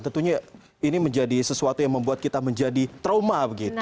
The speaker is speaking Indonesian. tentunya ini menjadi sesuatu yang membuat kita menjadi trauma